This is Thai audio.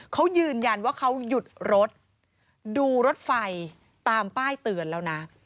เขายืนยันว่าเขาหยุดรถดูรถไฟตามป้ายเตือนแล้วนะ